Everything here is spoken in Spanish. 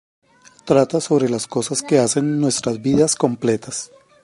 Trata sobre las cosas que hacen nuestras vidas completas.